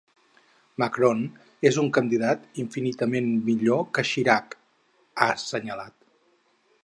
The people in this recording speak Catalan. Macron és un candidat infinitament millor que Chirac, ha assenyalat.